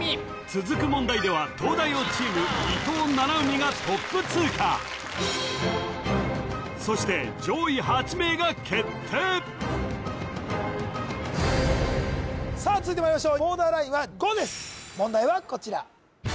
続く問題では東大王チーム伊藤七海がトップ通過そして上位８名が決定さあ続いてまいりましょうボーダーラインは５です問題はこちら